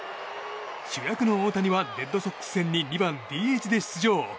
主役の大谷はレッドソックス戦に２番ＤＨで出場。